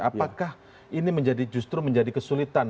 apakah ini justru menjadi kesulitan